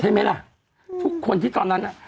ใช่ไหมล่ะทุกคนที่ตอนนั้นน่ะ